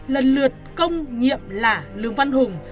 lần lượt công nhiệm lả lương văn hùng